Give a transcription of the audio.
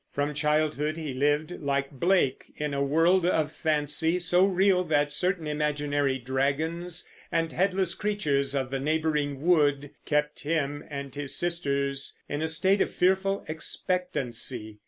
From childhood he lived, like Blake, in a world of fancy, so real that certain imaginary dragons and headless creatures of the neighboring wood kept him and his sisters in a state of fearful expectancy.